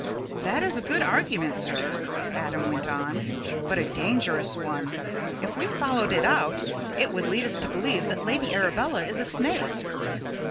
"That is a good argument, sir," Adam went on, "but a dangerous one. If we followed it out, it would lead us to believe that Lady Arabella is a snake."